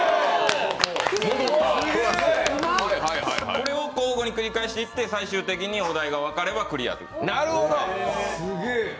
これを交互に繰り返していって最終的にお題が分かればクリアです。